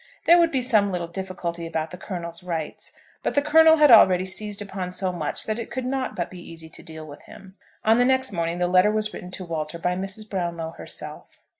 There would be some little difficulty about the colonel's rights; but the colonel had already seized upon so much that it could not but be easy to deal with him. On the next morning the letter was written to Walter by Mrs. Brownlow herself.